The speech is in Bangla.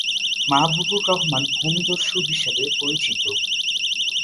মাহবুবুর রহমান ভূমি দস্যু হিসাবে পরিচিত।